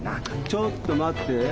ちょっと待って。